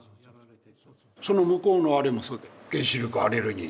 その向こうのあれもそうだよ。